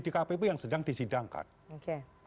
dkpb yang sedang disidangkan oke